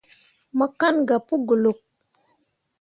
Mo kan gah pu golok.